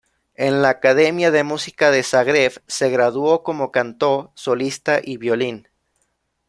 En la Academia de Música de Zagreb, se graduó como canto solista y violín.